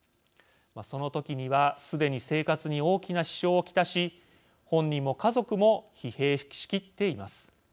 その時にはすでに生活に大きな支障を来し本人も家族も疲弊しきっています。